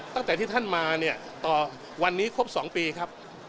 ตั้งแต่ที่ท่านมาเนี่ยต่อวันนี้ครบ๒ปีครับ